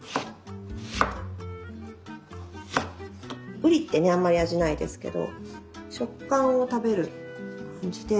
うりってねあんまり味ないですけど食感を食べる感じで。